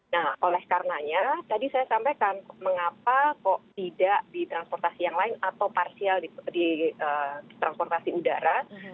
nah oleh karenanya tadi saya sampaikan mengapa kok tidak di transportasi yang lain atau parsial di transportasi udara